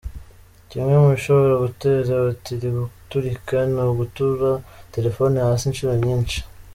Kimwe mu bishobora gutera batiri guturika, ni ugutura telefone hasi inshuro nyinshi.